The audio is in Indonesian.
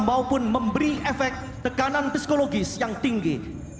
maupun memberi efek tekanan psikologis yang tinggi